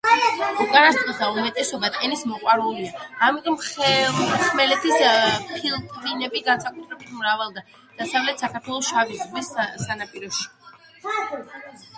უკანასკნელთა უმეტესობა ტენის მოყვარულია, ამიტომ ხმელეთის ფილტვიანები განსაკუთრებით მრავლადაა დასავლეთ საქართველოს შავიზღვისპირეთში.